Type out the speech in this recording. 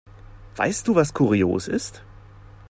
Weißt du, was kurios ist?